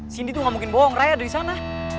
cindy tuh gak mungkin bohong raya dari sana